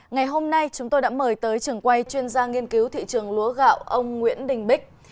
ngày hôm nay chúng tôi đã mời tới trường quay chuyên gia nghiên cứu thị trường lúa gạo ông nguyễn đình bích